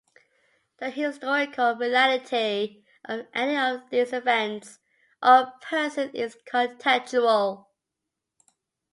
The historical reality of any of these events or persons is conjectural.